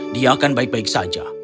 dia akan baik baik saja